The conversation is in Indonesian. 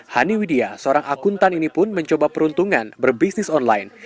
hani widya seorang akuntan ini pun mencoba peruntungan berbisnis online